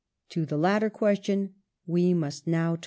To the latter question we must now turn.